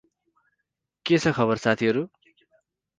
के छ खबर साथीहरु?